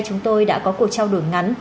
chúng tôi đã có cuộc trao đổi ngắn